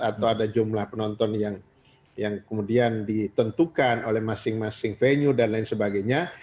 atau ada jumlah penonton yang kemudian ditentukan oleh masing masing venue dan lain sebagainya